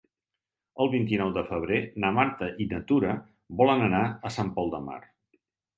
El vint-i-nou de febrer na Marta i na Tura volen anar a Sant Pol de Mar.